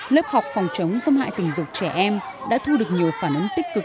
lớp học phòng chống xâm hại tình dục trẻ em đã thu được nhiều phản ứng tích cực